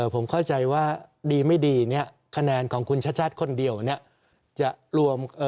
ผมเข้าใจว่าดีไม่ดีคะแนนของคุณชัดคนเดียว